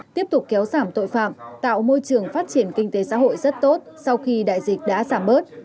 tiếp tục kéo giảm tội phạm tạo môi trường phát triển kinh tế xã hội rất tốt sau khi đại dịch đã giảm bớt